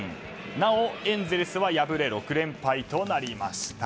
なお、エンゼルスは敗れ６連敗となりました。